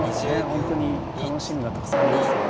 本当に楽しみがたくさんありますよ。